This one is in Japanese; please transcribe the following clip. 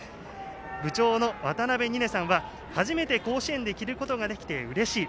部長のわたなべさんは初めて甲子園で着ることができてうれしい。